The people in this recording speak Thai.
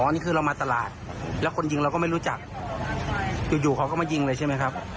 นี่คือเรามาตลาดแล้วคนยิงเราก็ไม่รู้จักอยู่เขาก็มายิงเลยใช่ไหมครับ